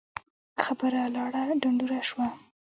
خبره لاړه ډنډوره شوه.